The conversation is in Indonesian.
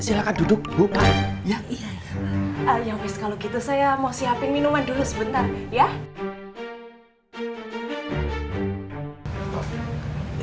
silakan duduk bukannya iya iya kalau gitu saya mau siapin minuman dulu sebentar ya